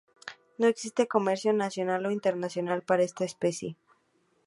No existe comercio nacional o internacional para esta especie.